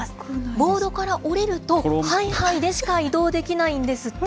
ボードから降りると、ハイハイでしか移動できないんですって。